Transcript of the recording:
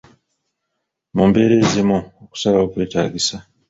Mu mbeera ezimu, okusalawo kwetaagisa.